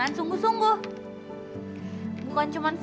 aku kan udah brdp ke kamu